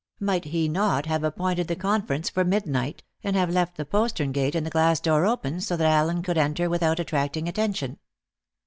Might he not have appointed the conference for midnight, and have left the postern gate and the glass door open so that Allen could enter without attracting attention?